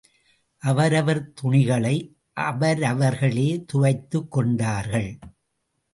அவரவர் துணிகளை அவரவர்களே துவைத்துக் கொண்டார்கள்.